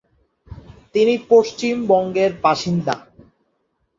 তিনি পশ্চিমবঙ্গের বাসিন্দা।